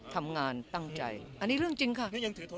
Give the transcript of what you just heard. ทำงานตั้งใจอันนี้เรื่องจริงค่ะ